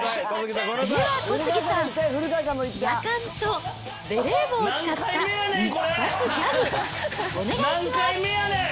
では小杉さん、やかんとベレー帽を使った一発ギャグ、お願いします。